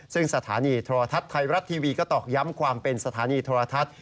ซึ่งสถานีโทรทัศน์ไทยรัฐทีวีก็ตอกย้ำความเป็นสถานีโทรทัศน์